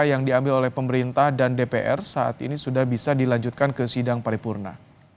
yang diambil oleh pemerintah dan dpr saat ini sudah bisa dilanjutkan ke sidang paripurna